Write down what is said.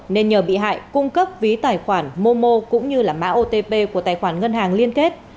nên nhờ bị hại cung cấp ví tài khoản momo cũng như mã otp của tài khoản ngân hàng liên kết